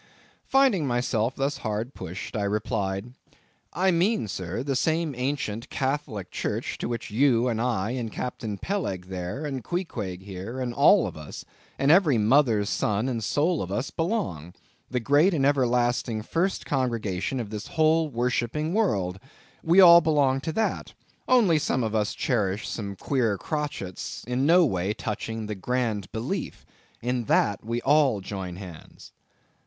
Finding myself thus hard pushed, I replied. "I mean, sir, the same ancient Catholic Church to which you and I, and Captain Peleg there, and Queequeg here, and all of us, and every mother's son and soul of us belong; the great and everlasting First Congregation of this whole worshipping world; we all belong to that; only some of us cherish some queer crotchets no ways touching the grand belief; in that we all join hands."